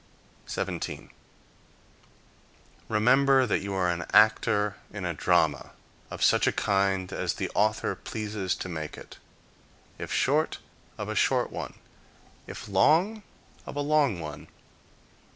17. Remember that you are an actor in a drama, of such a kind as the author pleases to make it. If short, of a short one; if long, of a long one.